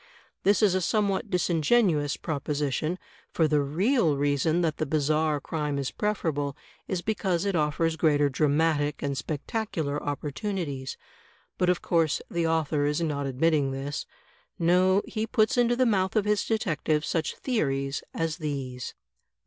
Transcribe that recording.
This is a 138 THE TECHNIQUE OF THE MYSTERY STORY somewhat disingenuous proposition; for the real reason that the bizarre crime is preferable, is because it oflFers greater dramatic and spectacular opportunities. But of course the author is not admitting this. No, he puts into the mouth of his detective such theories as these.